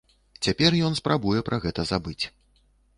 Цяпер ён спрабуе пра гэта забыць.